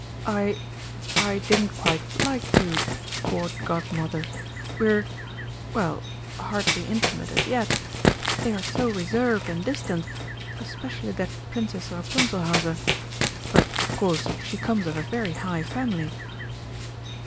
"I I didn't quite like to, Court Godmother. We're well, hardly intimate as yet. They are so reserved and distant especially that Princess Rapunzelhauser. But, of course, she comes of a very high family."